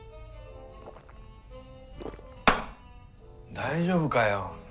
大丈夫かよ。